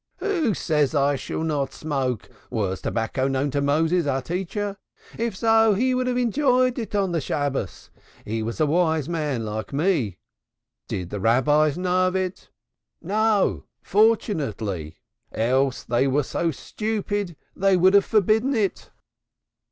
Who says I shall not smoke? Was tobacco known to Moses our Teacher? If so he would have enjoyed it on the Shabbos. He was a wise man like me. Did the Rabbis know of it? No, fortunately, else they were so stupid they would have forbidden it.